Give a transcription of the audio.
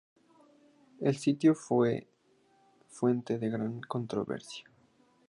El sitio fue fuente de gran controversia.